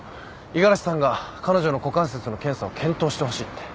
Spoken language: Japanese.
五十嵐さんが彼女の股関節の検査を検討してほしいって。